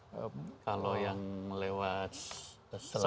sebetulnya juga enggak ada darah darah yang sebetulnya